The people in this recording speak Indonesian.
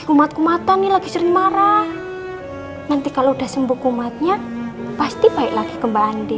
kumat kumatan nih lagi sering marah nanti kalau udah sembuh kumatnya pasti baik lagi kembali